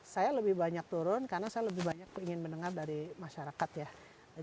saya lebih banyak turun karena saya lebih banyak ingin mendengar dari masyarakat ya